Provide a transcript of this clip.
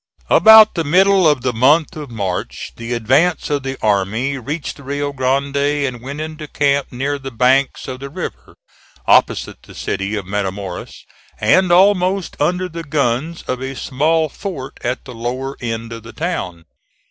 About the middle of the month of March the advance of the army reached the Rio Grande and went into camp near the banks of the river, opposite the city of Matamoras and almost under the guns of a small fort at the lower end of the town.